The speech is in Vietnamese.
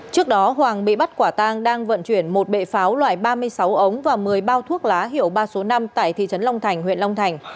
trước đó hoàng bị bắt quả tang đang vận chuyển một bệ pháo loại ba mươi sáu ống và một mươi bao thuốc lá hiệu ba số năm tại thị trấn long thành huyện long thành